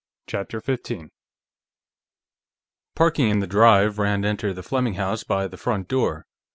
CHAPTER 15 Parking in the drive, Rand entered the Fleming house by the front door.